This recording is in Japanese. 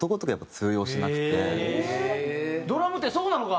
それが。ドラムってそうなのか？